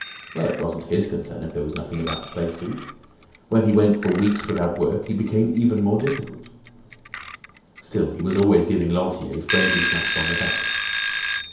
Well, it wasn't his concern if there was nothing about the place to eat. When he went for weeks without work he became even more difficult. Still, he was always giving Lantier friendly slaps on the back.